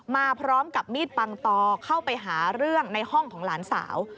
มาพร้อมกับมีดปังตอเข้าไปหาเรื่องในห้องของหลานสาว